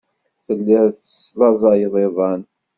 Telliḍ teslaẓayeḍ iḍan.